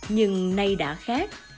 nhưng nay đã khác